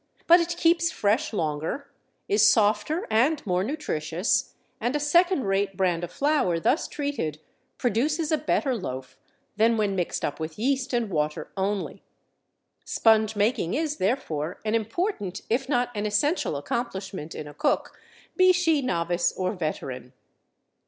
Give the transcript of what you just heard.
But it keeps fresh longer, is softer and more nutritious, and a second rate brand of flour thus treated produces a better loaf than when mixed up with yeast and water only. Sponge making is, therefore, an important if not an essential accomplishment in a cook, be she novice or veteran.